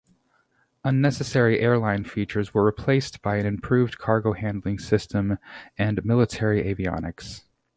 Unnecessary airline features were replaced by an improved cargo-handling system and military avionics.